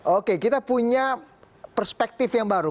oke kita punya perspektif yang baru